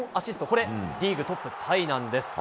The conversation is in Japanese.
これ、リーグトップタイなんです。